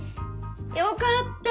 よかった！